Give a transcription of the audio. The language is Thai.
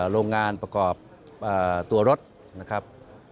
โรงงานประกอบตัวรถนะครับ